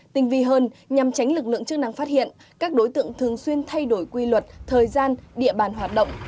tinh vi hơn nhằm tránh lực lượng chức năng phát hiện các đối tượng thường xuyên thay đổi quy luật thời gian địa bàn hoạt động